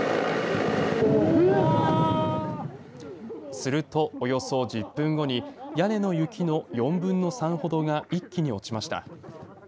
すると、およそ１０分後に屋根の雪の４分の３ほどが一気に落ちました。